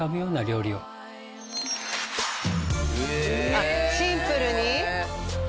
あっシンプルに？